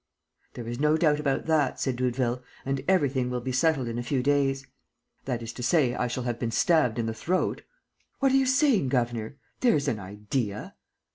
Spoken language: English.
"There is no doubt about that," said Doudeville, "and everything will be settled in a few days." "That is to say, I shall have been stabbed in the throat." "What are you saying, governor? There's an idea!"